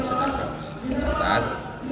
sudah kami pencetat